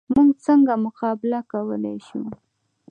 موږ څنګه مقابله کولی شو؟